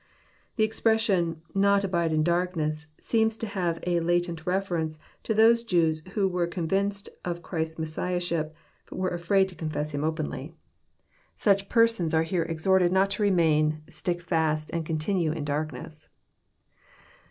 The expression, *' not abide in darkness," seems to have a la tent reference to those Jews who were convinced of Christ's Messifliiship, but were afraid to confess Him openly. Such per* 878 EXPOsrroET thoughts. sons are here exhorted not to remain, stick fast, and continue is darkness.